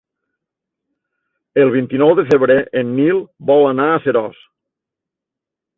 El vint-i-nou de febrer en Nil vol anar a Seròs.